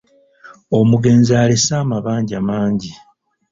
Omugenzi alese amabanja mangi.